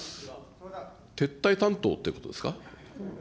撤退担当ということですか。